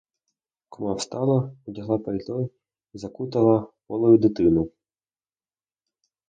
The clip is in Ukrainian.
Кума встала, одягла пальто й закутала полою дитину.